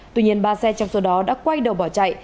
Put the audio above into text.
tuy nhiên ba xe trong số đó đã quay đầu bỏ chạy